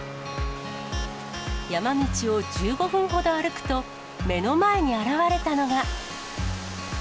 山道を１５分ほど歩くと、目の前に現れたのが。